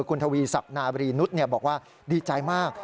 คุณทวีศักดิ์นาบรีนุษย์บอกว่าดีใจมาก